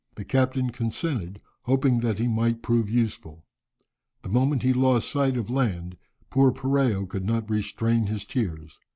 The captain consented, hoping that he might prove useful. The moment he lost sight of land poor Poreo could not restrain his tears.